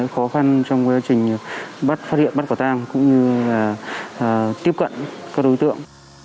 khó khăn trong quá trình bắt phát hiện bắt quả tang cũng như là tiếp cận các đối tượng